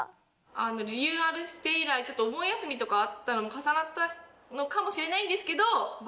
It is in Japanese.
リニューアルして以来お盆休みとかあったのも重なったのかもしれないんですけど。